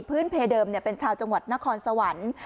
เพเดิมเป็นชาวจังหวัดนครสวรรค์